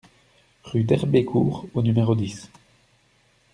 Rue d'Herbécourt au numéro dix